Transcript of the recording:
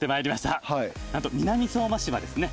なんと南相馬市はですね